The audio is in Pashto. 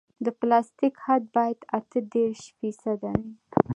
د پلاستیک حد باید اته دېرش فیصده وي